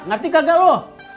ngerti kagak lu